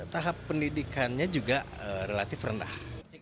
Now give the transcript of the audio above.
tahap pendidikannya juga relatif rendah